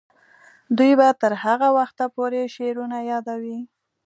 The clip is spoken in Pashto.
دوی به تر هغه وخته پورې شعرونه یادوي.